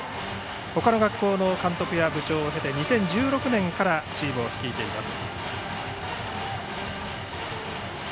ほかの学校の監督や部長を経て２０１６年からチームを率いています。